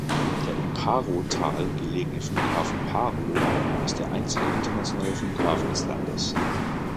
Der im Paro-Tal gelegene Flughafen Paro ist der einzige internationale Flughafen des Landes.